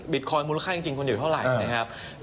บิตคอยน์มูลค่ายังจริงคุณจะอยู่เท่าไหร่